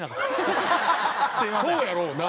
そうやろうな！